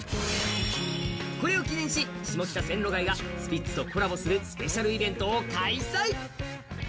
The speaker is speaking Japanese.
これを記念し、下北線路街がスピッツとコラボするスペシャルイベントを開催。